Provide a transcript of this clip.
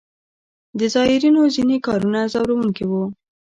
د زایرینو ځینې کارونه ځوروونکي وو.